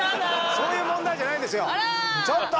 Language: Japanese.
そういう問題じゃないですよ。